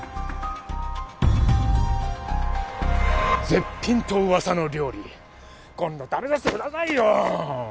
絶品と噂の料理今度食べさせてくださいよ！